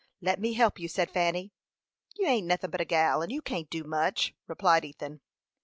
"Let me help you," said Fanny. "You ain't nothin' but a gal, and you can't do much," replied Ethan.